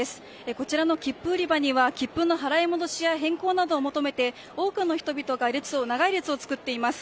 こちらの切符売り場には切符の払い戻しや変更などを求めて多くの人々が長い列を作っています。